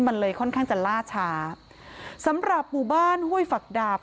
มันเลยค่อนข้างจะล่าช้าสำหรับหมู่บ้านห้วยฝักดาบ